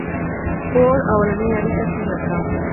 • اور لومړنۍ اړیکې ټینګې کړې.